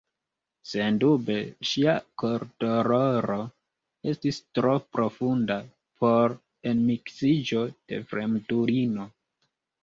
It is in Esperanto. Sendube ŝia kordoloro estis tro profunda por enmiksiĝo de fremdulino.